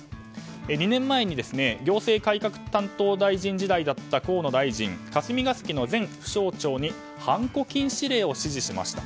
２年前に行政改革担当大臣時代の河野大臣は霞が関の全府省庁にハンコ禁止令を指示しました。